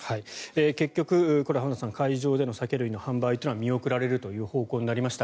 結局、浜田さん会場での酒類の販売は見送られるという方向になりました。